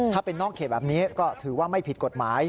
ถ้าเป็นนอกเขตแบบนี้ก็ถือว่าไม่ผิดกฎหมาย